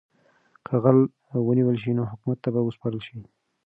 که غله ونیول شي نو حکومت ته به وسپارل شي.